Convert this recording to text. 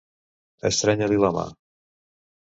Estrènyer-li la mà.